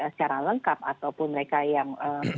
secara lengkap ataupun mereka yang